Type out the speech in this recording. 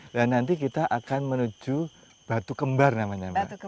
dan nanti kita akan menuju batu kembar namanya mbak